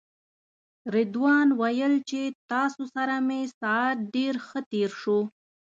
رضوان ویل چې تاسو سره مې ساعت ډېر ښه تېر شو.